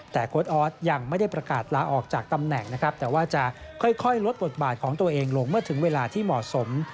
แต่โค้ดออสยังไม่ได้ประกาศลาออกจากตำแหน่งนะครับแต่ว่าจะค่อยลดบทบาทของตัวเองลงเมื่อถึงเวลาที่เหมาะสม